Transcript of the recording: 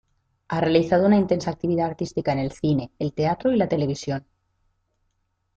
Ha realizado una intensa actividad artística en el cine, el teatro y la televisión.